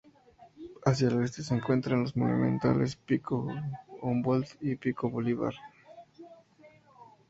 Hacia el oeste se encuentran los monumentales pico Humboldt y pico Bolívar.